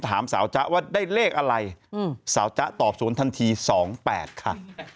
ถามสาวจ๊ะว่าได้เลขอะไรสาวจ๊ะตอบ๐ทันที๒๘ค่ะ